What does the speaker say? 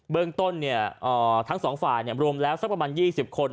เรื่องต้นทั้งสองฝ่ายรวมแล้วสักประมาณ๒๐คน